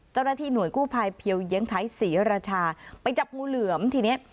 เจ้าหน้าที่หน่วยกู้ภัยเพียวเยียงไทยศรีราชาไปจับงูเหลือมทีเนี้ย